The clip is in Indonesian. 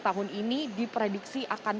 tahun ini diprediksi akan